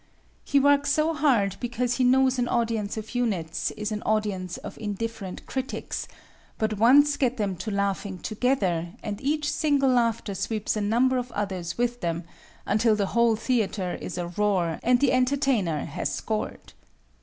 He works so hard because he knows an audience of units is an audience of indifferent critics, but once get them to laughing together and each single laugher sweeps a number of others with him, until the whole theatre is aroar and the entertainer has scored.